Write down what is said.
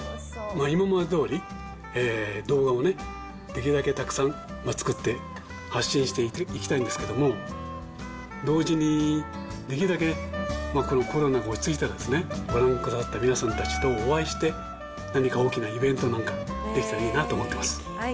今までどおり動画をね、できるだけたくさん作って発信していきたいんですけども、同時にできるだけこのコロナが落ち着いたらですね、ご覧くださった皆さんたちとお会いして、何か大きなイベントなんか、できたらいいなと思ってます。